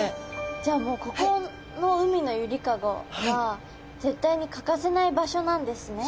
じゃあここの海のゆりかごは絶対に欠かせない場所なんですね。